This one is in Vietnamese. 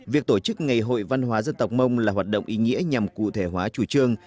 việc tổ chức ngày hội văn hóa dân tộc mông là hoạt động ý nghĩa nhằm cụ thể hóa chủ trương